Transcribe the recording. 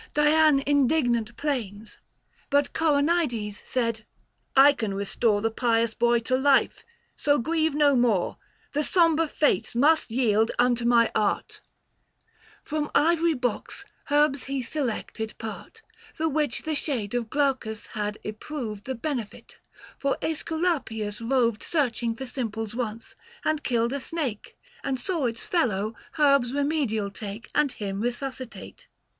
Dian, indignant 'plains ; But Coronides said, " I can restore The pious boy to life, so grieve no more ; The sombre Fates must yield unto my art." 900 From ivory box, herbs he selected part, The which the shade of Glaucus had yproved The benefit :— for ^Esculapius roved Searching for simples once, and killed a snake, And saw its fellow herbs remedial take 905 And him resuscitate.